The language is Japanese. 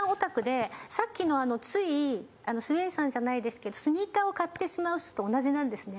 さっきのあのついＳＷＡＹさんじゃないですけどスニーカーを買ってしまう人と同じなんですね。